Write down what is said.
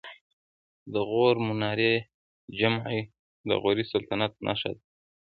د غور منارې جمعې د غوري سلطنت نښه ده